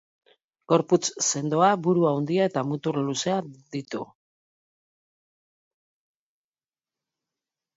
Gorputz sendoa, buru handia eta mutur luzea ditu.